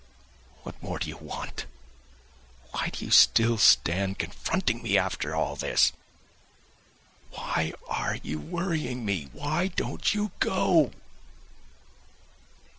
... What more do you want? Why do you still stand confronting me, after all this? Why are you worrying me? Why don't you go?"